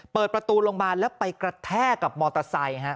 เปิดประตูลงมาแล้วไปกระแทกกับมอเตอร์ไซค์ฮะ